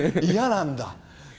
嫌なんだ。